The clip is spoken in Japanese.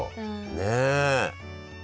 ねえ。